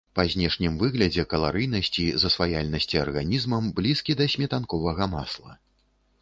Па знешнім выглядзе, каларыйнасці, засваяльнасці арганізмам блізкі да сметанковага масла.